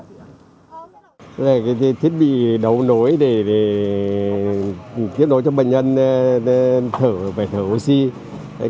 thế này là cái thiết bị đấu nối để tiếp nối cho bệnh nhân thở và thở oxy